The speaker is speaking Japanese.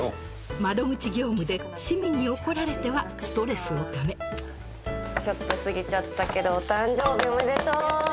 窓口業務で市民に怒られてはストレスをためちょっと過ぎちゃったけどお誕生日おめでとう！